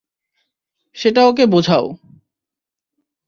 সেটা ওকে বোঝাও।